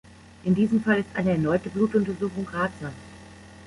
In diesem Fall ist eine erneute Blutuntersuchung ratsam.